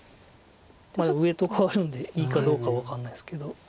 でも上と換わるんでいいかどうか分かんないですけど。